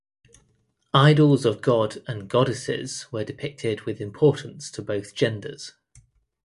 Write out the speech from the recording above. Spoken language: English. Idols of god and goddesses were depicted with importance to both genders.